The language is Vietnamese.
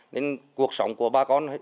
nên cuộc sống của ba con